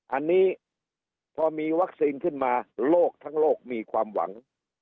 อันนี้พอมีวัคซีนขึ้นมาโลกทั้งโลกมีความหวัง